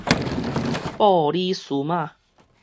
布里斯瑪